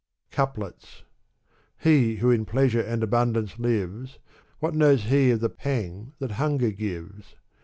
^ Couplets. He who in pleasure and abundance Hves, What knows he of the pang that hunger gives?